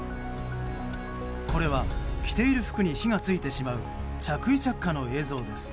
これは、着ている服に火が付いてしまう着衣着火の映像です。